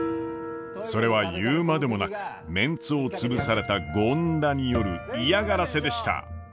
それは言うまでもなくメンツを潰された権田による嫌がらせでした。